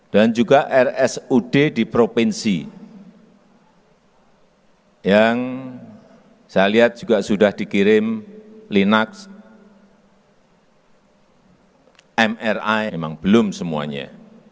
juga rsud di provinsi yang saya lihat juga sudah dikirim linax mri emang belum semuanya